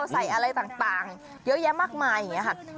ใส่อะไรต่างเยอะแยะมากมายอย่างนี้ค่ะ